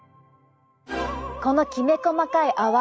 このきめ細かい泡。